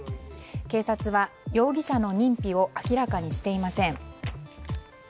警察は容疑者の認否を明らかにしていません。